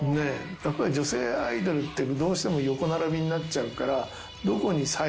やっぱり女性アイドルってどうしても横並びになっちゃうから。